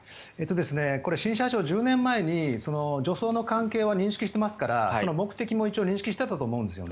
新社長は１０年前に除草剤の関係は認識してますからその目的も認識していたと思うんです。